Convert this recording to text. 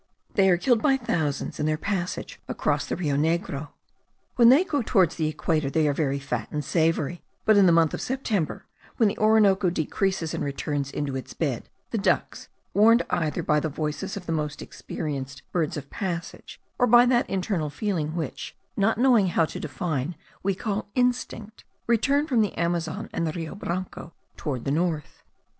They are killed by thousands in their passage across the Rio Negro. When they go towards the equator they are very fat and savoury; but in the month of September, when the Orinoco decreases and returns into its bed, the ducks, warned either by the voices of the most experienced birds of passage, or by that internal feeling which, not knowing how to define, we call instinct, return from the Amazon and the Rio Branco towards the north.